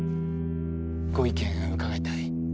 ご意見伺いたい。